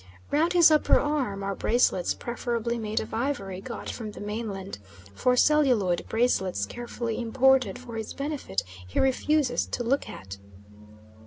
Round his upper arm are bracelets, preferably made of ivory got from the mainland, for celluloid bracelets carefully imported for his benefit he refuses to look at.